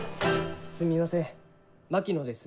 ・すみません槙野です。